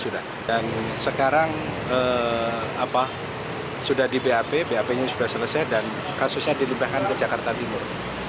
dan sekarang sudah di bap bap nya sudah selesai dan kasusnya dilimpahkan ke jakarta timur